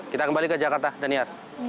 kita kembali ke jakarta daniar